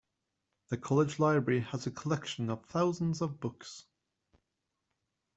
The college library has a collection of thousands of books.